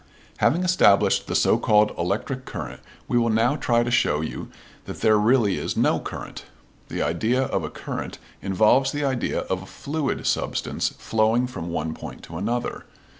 Having established the so called electric current we will now try to show you that there really is no current. The idea of a current involves the idea of a fluid substance flowing from one point to another.